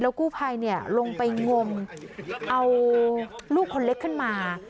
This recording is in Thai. แล้วกูภัยเนี่ยลงไปงมเอาลูกคนเล็กขึ้นมา